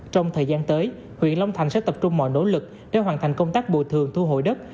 trong thời gian tới huyện long thành sẽ tập trung mọi nỗ lực để hoàn thành công tác bồi thường thu hồi đất